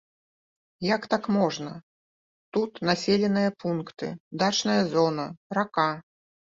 Як так можна, тут населеныя пункты, дачная зона, рака?